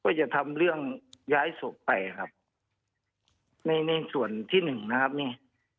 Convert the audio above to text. จะทำเรื่องย้ายศพไปครับในในส่วนที่หนึ่งนะครับนี่